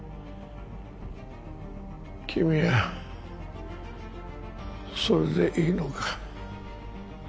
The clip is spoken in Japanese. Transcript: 君はそれでいいのか？